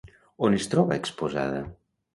On es troba exposada?